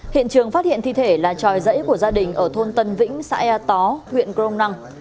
hiện trường phát hiện thi thể là tròi dãy của gia đình ở thôn tân vĩnh xã e tó huyện grong năng